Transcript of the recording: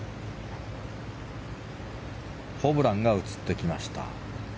ホブランが映ってきました。